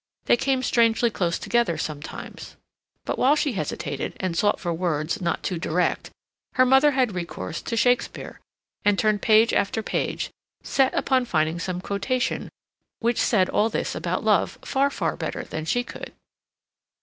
They came strangely close together sometimes. But, while she hesitated and sought for words not too direct, her mother had recourse to Shakespeare, and turned page after page, set upon finding some quotation which said all this about love far, far better than she could.